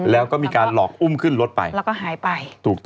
และอุ้มขึ้นลดไปและหายไป